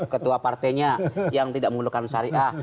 ketua partainya yang tidak menggunakan syariah